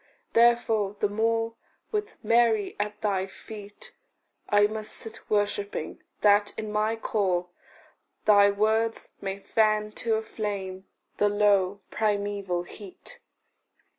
Therefore the more, with Mary at thy feet, I must sit worshipping that, in my core, Thy words may fan to a flame the low primeval heat.